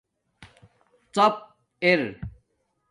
زاپ ار